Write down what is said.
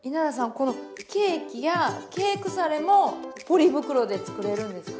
このケーキやケークサレもポリ袋で作れるんですか？